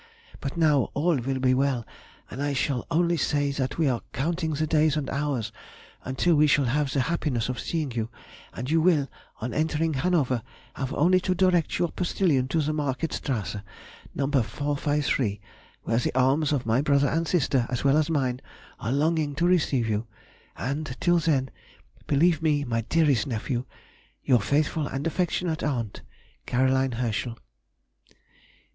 But now all will be well, and I shall only say that we are counting the days and hours until we shall have the happiness of seeing you, and you will, on entering Hanover, have only to direct your postilion to the Markt Strasse, No. 453, where the arms of my brother and sister, as well as mine, are longing to receive you, and till then Believe me, my dearest nephew, Your faithful and affectionate aunt, CAR. HERSCHEL.